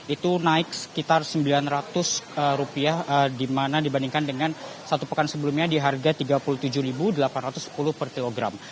itu naik sekitar rp sembilan ratus dibandingkan dengan satu pekan sebelumnya di harga rp tiga puluh tujuh delapan ratus sepuluh per kilogram